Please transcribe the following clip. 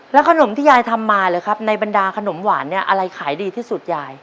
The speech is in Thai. ขนมที่ยายทำมาหรือครับในบรรดาขนมหวานเนี่ยอะไรขายดีที่สุดยาย